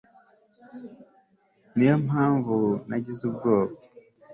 ni yo mpamvu nagize ubwoba,